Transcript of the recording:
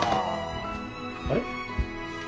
あれ？